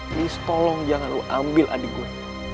terus tolong jangan lo ambil adik gue